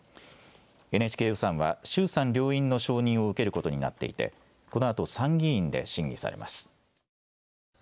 ＮＨＫ予算は衆参両院の承認を受けることになっていてこのあと参議院で審議されます。